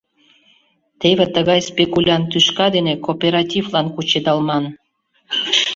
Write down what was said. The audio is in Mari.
Теве тыгай спекулянт тӱшка дене кооперативлан кучедалман.